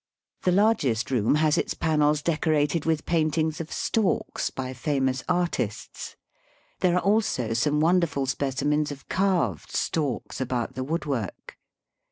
The largest room has its panels decorated with paintings of storks by famous artists. There are also some wonderful speci mens of carved storks about the woodwork.